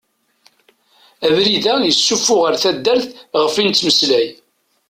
Abrid-a yessufuɣ ar taddart ɣef i nettmeslay.